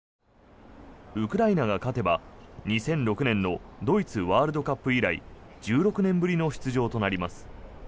ウクライナが勝てば２００６年のドイツワールドカップ以来１６年ぶりの出場となります。